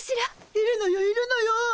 いるのよいるのよ。